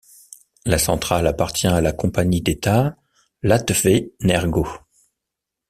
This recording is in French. La centrale appartient à la compagnie d'État Latvenergo.